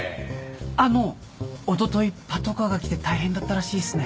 あのおとといパトカーが来て大変だったらしいっすね。